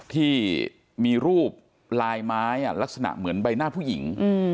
ที่มีรูปลายไม้ลักษณะเหมือนใบหน้าผู้หญิง